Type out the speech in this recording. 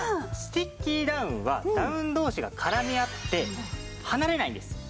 スティッキーダウンはダウン同士が絡み合って離れないんです。